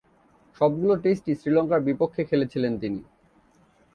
সবগুলো টেস্টই শ্রীলঙ্কার বিপক্ষে খেলেছিলেন তিনি।